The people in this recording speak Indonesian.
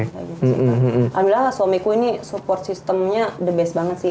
alhamdulillah suamiku ini support systemnya the best banget sih